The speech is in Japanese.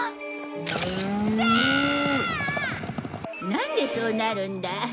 なんでそうなるんだ。